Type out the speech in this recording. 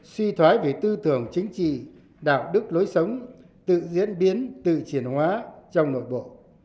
suy thoái về tư tưởng chính trị đạo đức lối sống tự diễn biến tự triển hóa trong nội bộ